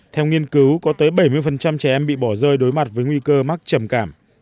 theo nghiên cứu có tới bảy mươi trẻ em bị bỏ rơi đối mặt với nguy cơ mắc trầm cảm